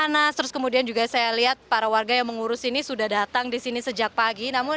dari kemarin pulang gak tapi